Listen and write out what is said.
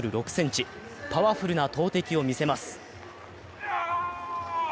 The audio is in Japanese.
パワフルな投てきを見せます。